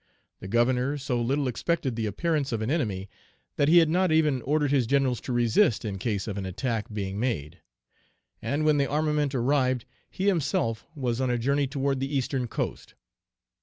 The Governor so little expected the appearance of an enemy that he had not even ordered his generals to resist in case of an attack being made; and, when the armament arrived, he himself was on a journey toward the eastern coast.